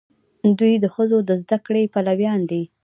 دوی د ښځو د زده کړې پلویان دي.